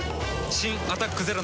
新「アタックＺＥＲＯ」